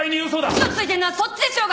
嘘ついてるのはそっちでしょうが！